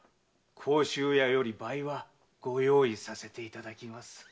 甲州屋より倍はご用意させていただきます。